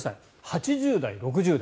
８０代、６０代。